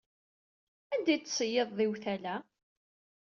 Anda ay d-tettṣeyyideḍ iwtal-a?